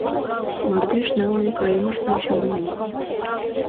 Мардеж налын кайымыжлан чаманем.